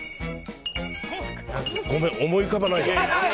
ごめん、思い浮かばない。